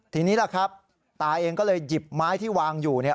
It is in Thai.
ตาเองก็เลยหยิบไม้ที่วางอยู่